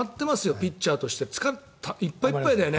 ピッチャーとしていっぱいいっぱいだよね